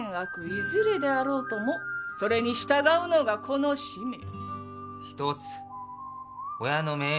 いずれであろうともそれに従うのが子の使命。